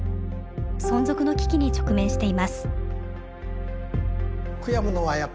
存続の危機に直面しています。